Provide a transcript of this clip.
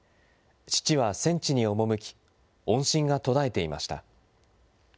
父は戦地に赴き、音信が途絶えていました。